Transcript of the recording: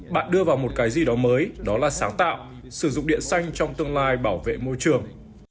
bạn đưa vào một cái gì đó mới đó là sáng tạo sử dụng điện xanh trong tương lai bảo vệ môi trường